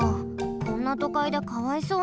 こんなとかいでかわいそうに。